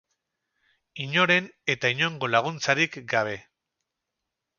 Inoren eta inongo laguntzarik gabe.